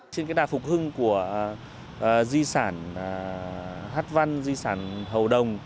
trên cái đà phục hưng của di sản hát văn di sản hầu đồng